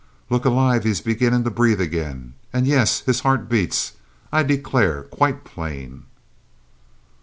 "Look alive! he's beginning to breathe again and yes his heart beats, I declare, quite plain!"